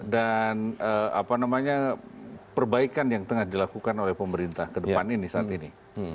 dan apa namanya perbaikan yang tengah dilakukan oleh pemerintah ke depan ini saat ini